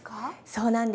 そうなんです。